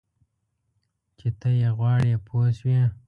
چې ته یې غواړې پوه شوې!.